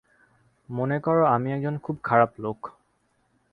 মনে কর, আমি একজন খুব খারাপ লোক।